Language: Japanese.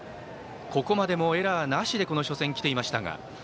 ここまでもエラーなしでこの初戦、来ていましたが。